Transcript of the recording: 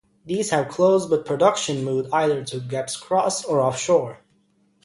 These have closed with production moved either to Gepps Cross or offshore.